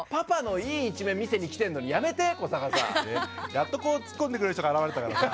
やっとこうツッコんでくれる人が現れたからさ。